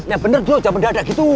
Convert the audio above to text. ya bener jangan berada gitu